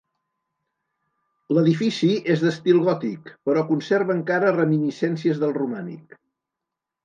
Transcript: L'edifici és d'estil gòtic, però conserva encara reminiscències del romànic.